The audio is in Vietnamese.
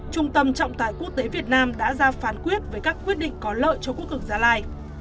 trung tâm trọng tài quốc tế việt nam đã ra phán quyết về các quyết định có lợi cho quốc cực gia lai